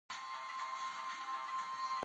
زلزله د د خاورو د ویلي کېدو سبب هم کیږي